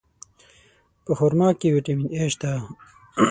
په خرما کې ویټامین A شته.